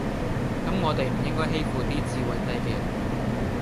咁我地唔應該欺負啲智慧低嘅人